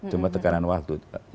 cuma tekanan waktu